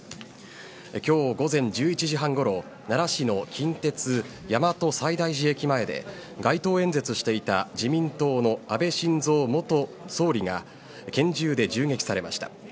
今日、午前１１時半ごろ奈良市の近鉄大和西大寺駅前で街頭演説していた自民党の安倍晋三元総理が拳銃で銃撃されました。